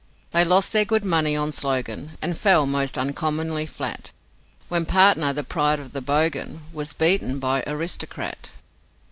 They lost their good money on Slogan, And fell, most uncommonly flat, When Partner, the pride of the Bogan, Was beaten by Aristocrat.